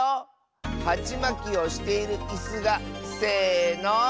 はちまきをしているいすがせの。